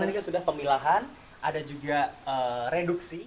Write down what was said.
ini kan sudah pemilahan ada juga reduksi